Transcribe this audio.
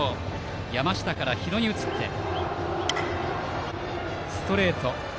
山下から日野に移ってストレート。